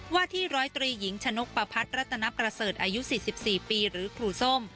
วาที่ร้อยตรีหญิงชนกปภัทรรัตนับกระเสริฐอายุสิบสี่ปีหรือกรูส้ม